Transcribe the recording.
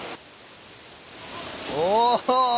お！